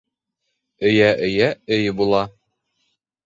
Өйә-өйә өй була.